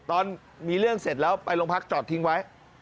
ตอนมีเรื่องเสร็จแล้วไปโรงพักจอดทิ้งไว้